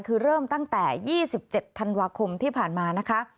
คือเริ่มตั้งแต่๒๗ธันวาคมที่ผ่านมานะคะ